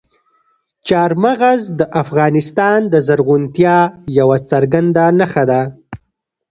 چار مغز د افغانستان د زرغونتیا یوه څرګنده نښه ده.